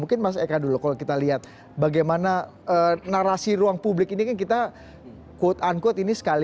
kalau kita lihat bagaimana narasi ruang publik ini kita quote unquote ini sekali